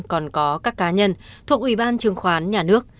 còn có các cá nhân thuộc ủy ban chứng khoán nhà nước